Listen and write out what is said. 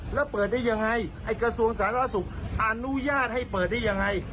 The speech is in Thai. มหาวิทยาลัยก็ไม่ให้ขายร้านเล่านะ